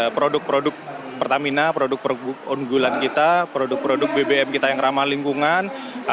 produk produk pertamina produk produk unggulan kita produk produk bbm kita yang ramah lingkungan